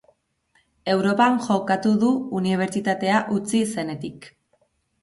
Europan jokatu du Unibertsitatea utzi zenetik.